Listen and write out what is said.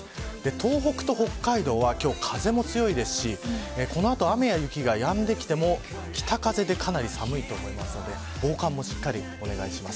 東北と北海道は今日は風も強いですしこの後、雨や雪がやんできても北風でかなり寒いと思うので防寒もしっかりお願いします。